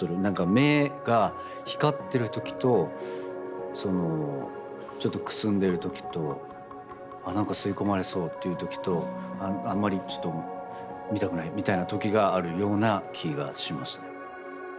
目が光ってる時とちょっとくすんでる時とあなんか吸い込まれそうっていう時とあんまりちょっと見たくないみたいな時があるような気がしますね。